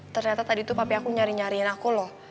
ternyata tadi itu papi aku nyari nyariin aku loh